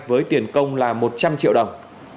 với tiền công là một trăm linh triệu đồng